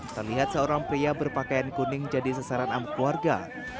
terlihat seorang pria berpakaian kuning jadi sasaran amuk warga